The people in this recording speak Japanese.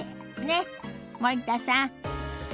ねっ森田さん。